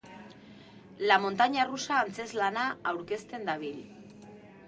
La montaña rusa antzezlana aurkezten dabil.